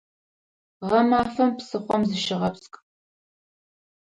Гъэмафэм псыхъом зыщыгъэпскӏ!